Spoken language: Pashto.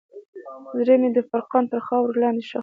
زړه مې د فراق تر خاورو لاندې ښخ شو.